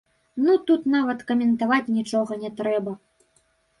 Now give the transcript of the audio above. Ну тут нават каментаваць нічога не трэба!